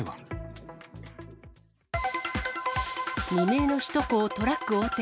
未明の首都高、トラック横転。